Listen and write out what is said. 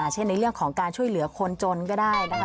เช่นในเรื่องของการช่วยเหลือคนจนก็ได้นะคะ